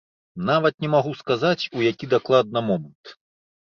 Нават не магу сказаць, у які дакладна момант.